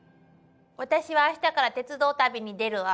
私はあしたから鉄道旅に出るわ。